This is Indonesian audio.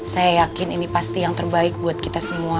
saya yakin ini pasti yang terbaik buat kita semua